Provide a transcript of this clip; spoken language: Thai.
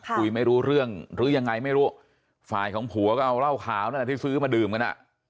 คุยไม่รู้เรื่องหรือยังไงไม่รู้ฝ่ายของผัวก็เอาเหล้าขาวนั่นแหละที่ซื้อมาดื่มกันอ่ะ